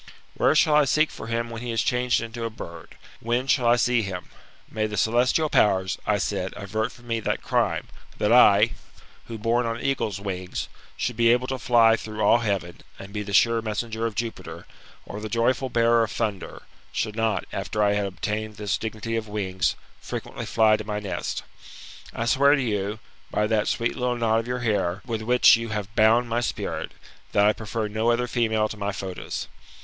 Where shall I seek for him when he is changed into a bird ? When shall I see him? May the celestial powers, I said, avert me from that crime ; that I, who, borne on eagles' wings, should be able to fly through all heaven, and be the sure messenger of Jupiter, or the joyful bearer of thunder, should not, after I had obtained this dignity of wings, frequently fly to my nest I swear to you, by that sweet little knot of your hair, with which you have bound my spirit, that I prefer no other female to my Fotis.